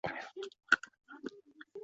求其中